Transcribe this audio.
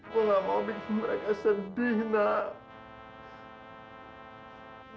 gue gak mau bikin mereka sedih nak